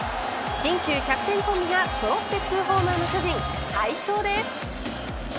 新旧キャプテンコンビがそろって２ホーマーの巨人快勝です。